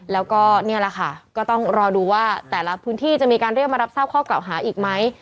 แล้วก็นี่แหละค่ะก็ต้องรอดูว่าแต่ละพื้นที่จะมีการเรียกมารับทราบข้อเก่าหาอีกไหม